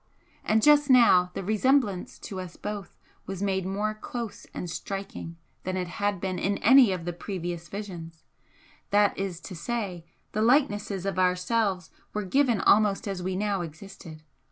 And just now the resemblance to us both was made more close and striking than it had been in any of the previous visions that is to say, the likenesses of ourselves were given almost as we now existed.